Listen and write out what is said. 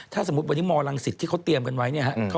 ถ้าสมมติวันนี้มรรงสิตที่เขาเตรียมกันไว้